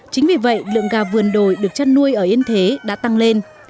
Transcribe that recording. chính vì vậy lượng gà vườn đồi được chăn nuôi ở yên thế đã tăng lên